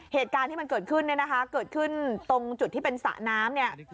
เหตุการณ์ที่มันเกิดขึ้นเนี่ยนะคะเกิดขึ้นตรงจุดที่เป็นสระน้ำเนี่ย